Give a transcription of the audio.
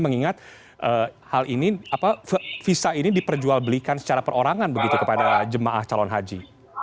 mengingat hal ini visa ini diperjualbelikan secara perorangan begitu kepada jemaah calon haji